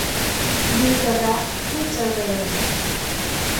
ดูกร ผู้เจริญ